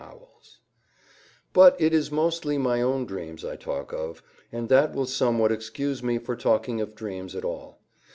HOWELLS But it is mostly my own dreams I talk of, and that will somewhat excuse me for talking of dreams at all.